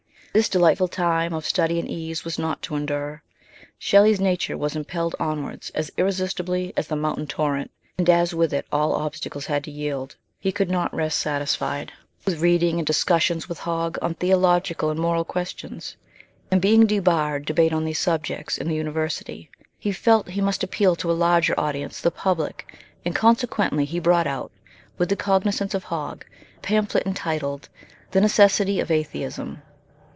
This delightful time of study and ease was not to endure. Shelley's nature was impelled onwards as irresistibly as the mountain torrent, and as with it all obstacles had to yield. He could not rest satisfied with reading and discussions with Hogg on theological and moral questions, and, being debarred debate on these subjects in the university, he felt he must appeal to a larger audience, the public, and consequently he brought out, with the cognisance of Hogg, a pamphlet entitled The Necessity of Atheism.